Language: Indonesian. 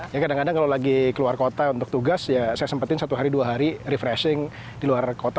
ya kadang kadang kalau lagi keluar kota untuk tugas ya saya sempetin satu hari dua hari refreshing di luar kota